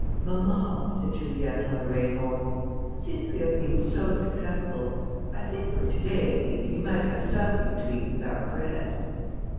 "Mamma," said Juliette, on their way home, "since we have been so successful, I think for to day at least, we might have something to eat with our bread."